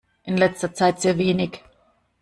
In letzter Zeit sehr wenig.